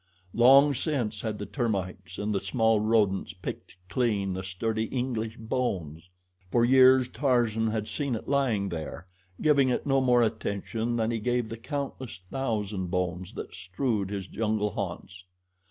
Long since had the termites and the small rodents picked clean the sturdy English bones. For years Tarzan had seen it lying there, giving it no more attention than he gave the countless thousand bones that strewed his jungle haunts.